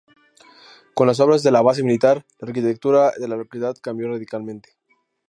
Con las obras de la base militar, la arquitectura de la localidad cambió radicalmente.